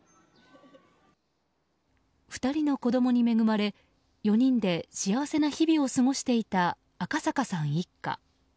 ２人の子供に恵まれ４人で幸せな日々を過ごしていた赤阪さん一家。